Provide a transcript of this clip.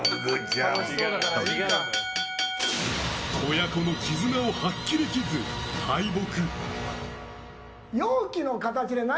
親子の絆を発揮できず、敗北。